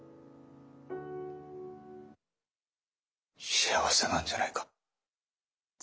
幸せなんじゃないか。